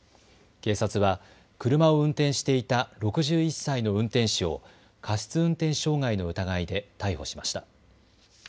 警察は車を運転していた６１歳の運転手を過失運転傷害の疑いで逮捕しました。